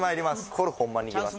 これホンマにいきます